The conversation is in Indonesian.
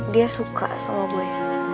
dia suka sama gue